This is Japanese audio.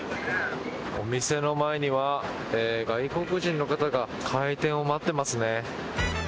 お店の前には外国人の方が開店を待っていますね。